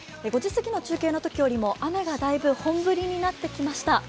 ５時過ぎの中継のときよりも雨が本降りになってきました。